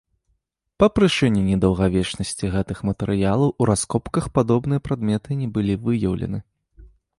Па прычыне недаўгавечнасці гэтых матэрыялаў у раскопках падобныя прадметы не былі выяўлены.